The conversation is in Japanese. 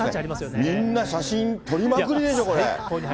みんな写真撮りまくりでしょう、これ。